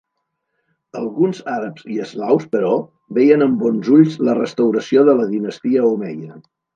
Alguns àrabs i eslaus, però, veien amb bons ulls la restauració de la dinastia omeia.